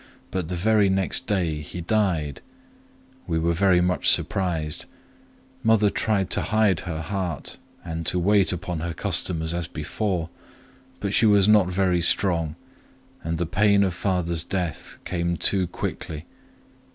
But the very next day he died. We were very much surprised. Mother tried to hide her heart, and to wait upon her customers as before. But she was not very strong, and the pain of father's death came too quickly.